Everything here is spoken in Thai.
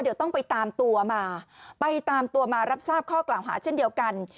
เดี๋ยวต้องไปตามตัวมาไปตามตัวมารับทราบข้อกล่าวหาเช่นเดียวกัน